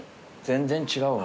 全然違う？